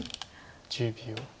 １０秒。